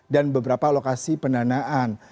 dan beberapa lokasi pendanaan